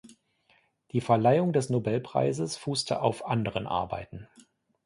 Die Verleihung des Nobelpreises fußte auf anderen Arbeiten.